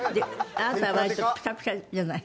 あなたは割とピカピカじゃない。